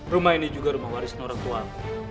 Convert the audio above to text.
rumah ini juga rumah warisnya orang tua aku